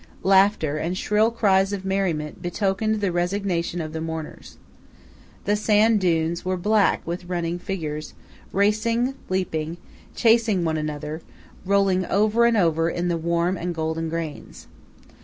Laughter and shrill cries of merriment betokened the resignation of the mourners. The sand dunes were black with running figures, racing, leaping, chasing one another, rolling over and over in the warm and golden grains.